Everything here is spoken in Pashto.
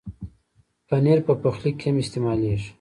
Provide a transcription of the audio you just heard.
پنېر په پخلي کې هم استعمالېږي.